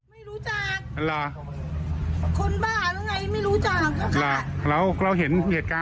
ไม่รู้จักคนบ้าแล้วไงไม่รู้จัก